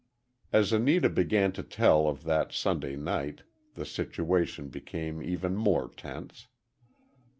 As Anita began to tell of that Sunday night, the situation became even more tense.